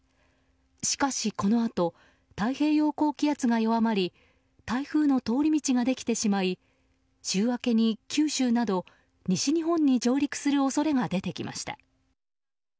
しかし、このあと太平洋高気圧が弱まり台風の通り道ができてしまい週明けに、九州など西日本に上陸する恐れが出てきました。